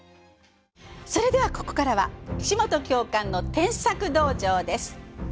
それではここからは「岸本教官の添削道場」です。